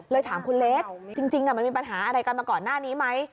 ถามคุณเล็กจริงมันมีปัญหาอะไรกันมาก่อนหน้านี้ไหม